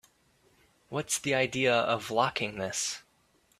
What's the idea of locking this?